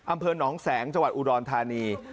อำเภอหนองแสงจังหวัดอุดรธานี